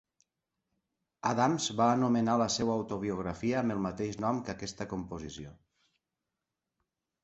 Adams va anomenar la seva autobiografia amb el mateix nom que aquesta composició.